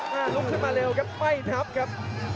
ลุกขึ้นมาเร็วครับไม่นับครับ